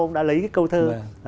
ông đã lấy cái câu thơ